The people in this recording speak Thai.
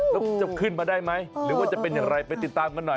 แล้วจะขึ้นมาได้ไหมหรือว่าจะเป็นอย่างไรไปติดตามกันหน่อย